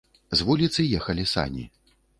З вуліцы ехалі сані.